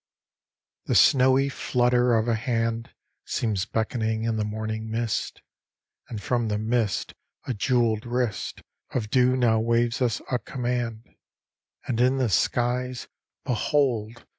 XV The snowy flutter of a hand Seems beckoning in the morning mist, And from the mist a jewelled wrist Of dew now waves us a command: And in the skies, behold!